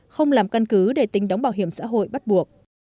không làm căn cứ để tính đóng bảo hiểm xã hội bắt buộc